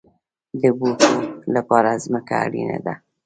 د بوټو لپاره ځمکه اړین ده